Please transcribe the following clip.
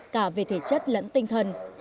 cả về thể chất lẫn tinh thần